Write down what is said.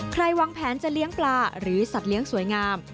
วางแผนจะเลี้ยงปลาหรือสัตว์เลี้ยงสวยงาม